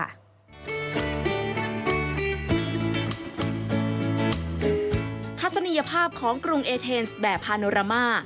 ทัศนียภาพของกรุงเอเทนส์แบบพาโนรามา